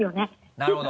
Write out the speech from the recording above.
なるほど。